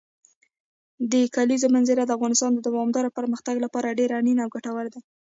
د کلیزو منظره د افغانستان د دوامداره پرمختګ لپاره ډېر اړین او ګټور دی.